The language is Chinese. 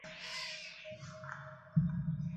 车站周边是秦野市中心。